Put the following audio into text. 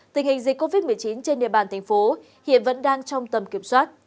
tình hình dịch covid một mươi chín trên địa bàn thành phố hiện vẫn đang trong tầm kiểm soát